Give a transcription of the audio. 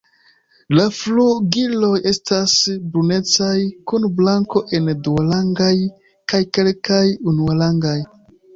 La flugiloj estas brunecaj kun blanko en duarangaj kaj kelkaj unuarangaj.